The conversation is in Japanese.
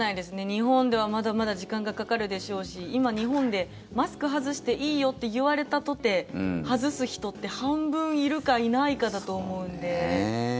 日本ではまだまだ時間がかかるでしょうし今、日本でマスク外していいよって言われたとて外す人って半分いるか、いないかだと思うんで。